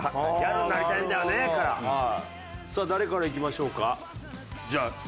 いきましょうかじゃあ。